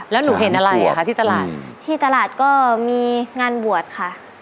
แล้วหนูเห็นอะไรอ่ะคะที่ตลาดที่ตลาดก็มีงานบวชค่ะ